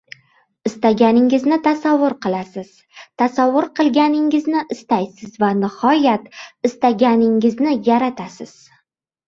Istaganingizni tasavvur qilasiz; tasavvur qilganingizni istaysiz; va nihoyat, istaganingizni yaratasiz.